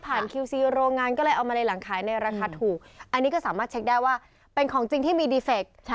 เพราะว่าอ่านผ่านแอปของพันทิศ